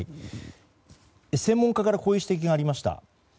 専門家からこういう指摘がありました。